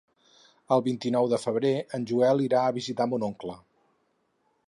El vint-i-nou de febrer en Joel irà a visitar mon oncle.